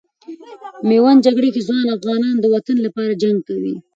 میوند جګړې کې ځوان افغانان د وطن لپاره جنګ کوي.